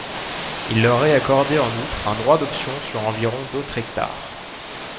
Il leur est accordé en outre un droit d'option sur environ autres hectares.